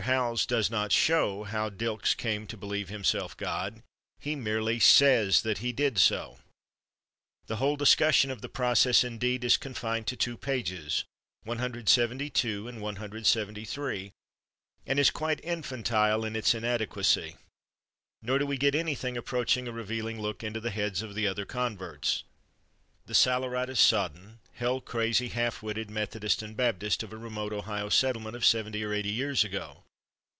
Howells does not show how Dylks came to believe himself God; he merely says that he did so. The whole discussion of the process, indeed, is confined to two pages—172 and 173—and is quite infantile in its inadequacy. Nor do we get anything approaching a revealing look into the heads of the other converts—the saleratus sodden, hell crazy, half witted Methodists and Baptists of a remote Ohio settlement of seventy or eighty years ago.